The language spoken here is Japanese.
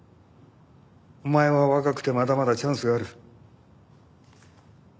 お前は若くてまだまだチャンスがある。